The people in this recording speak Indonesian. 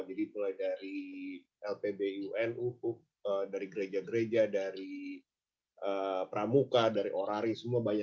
jadi mulai dari lpb unu dari gereja gereja dari pramuka dari orari semua